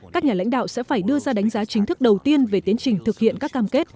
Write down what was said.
các nhà lãnh đạo sẽ phải đưa ra đánh giá chính thức đầu tiên về tiến trình thực hiện các cam kết